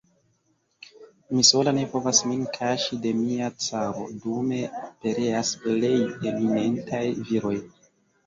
Mi sola ne povas min kaŝi de mia caro, dume pereas plej eminentaj viroj.